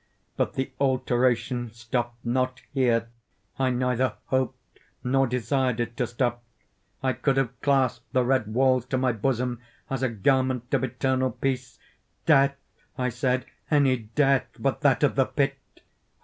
But the alteration stopped not here—I neither hoped nor desired it to stop. I could have clasped the red walls to my bosom as a garment of eternal peace. "Death," I said, "any death but that of the pit!"